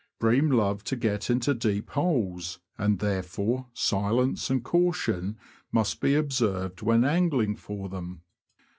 Bream love to get into deep holes, and therefore silence and caution must be observed when angling for them.